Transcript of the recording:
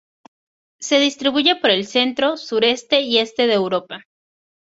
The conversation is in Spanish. Se distribuye por el centro, sureste y este de Europa.